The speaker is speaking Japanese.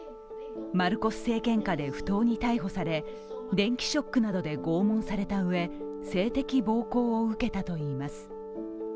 マルコス政権下で不当に逮捕され電気ショックなどで拷問されたうえ、性的暴行を受けたといいます。